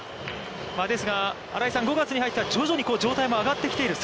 ですが、新井さん、５月に入っては徐々に状態も上がってきている